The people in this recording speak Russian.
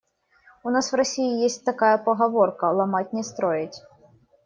У нас в России есть такая поговорка: "Ломать — не строить".